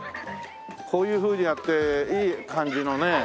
こういうふうにやっていい感じのね。